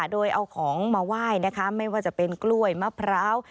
โดยเอาของมาไหว้นะคะไม่ว่าจะเป็นกล้วยมะพร้าว